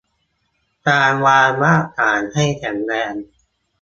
การวางรากฐานให้แข็งแรง